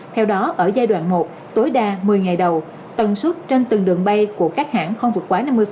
theo đó ở giai đoạn một tối đa một mươi ngày đầu tần suất trên từng đường bay của các hãng không vượt quá năm mươi